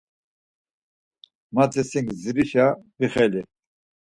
Mati sin na gdzirişa vixeli.